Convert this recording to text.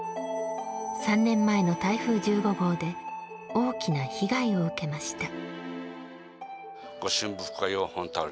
３年前の台風１５号で大きな被害を受けました。